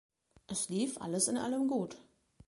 Es lief alles in allem gut.